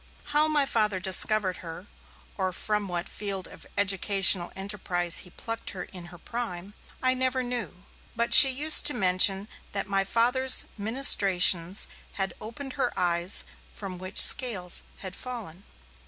How my Father had discovered her, or from what field of educational enterprise he plucked her in her prime, I never knew, but she used to mention that my Father's ministrations had 'opened her eyes', from which 'scales' had fallen.